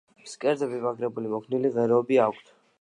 ფსკერზე მიმაგრებული მოქნილი ღეროები აქვთ.